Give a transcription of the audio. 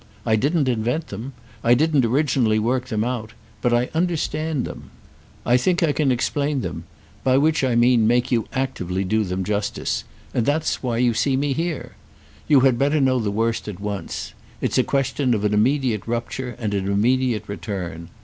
I didn't invent them, I didn't originally work them out; but I understand them, I think I can explain them—by which I mean make you actively do them justice; and that's why you see me here. You had better know the worst at once. It's a question of an immediate rupture and an immediate return.